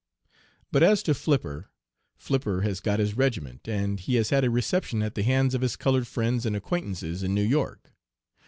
But as to Flipper, Flipper has got his regiment and he has had a reception at the hands of his colored friends and acquaintances in New York.